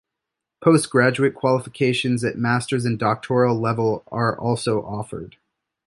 Post-graduate qualifications at masters and doctoral level are also offered.